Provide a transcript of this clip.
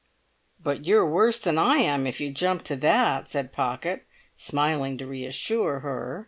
"But you're worse than I am, if you jump to that!" said Pocket, smiling to reassure her.